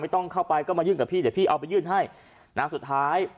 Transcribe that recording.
ต้องเข้าไปก็มายื่นกับพี่เดี๋ยวพี่เอาไปยื่นให้นะสุดท้าย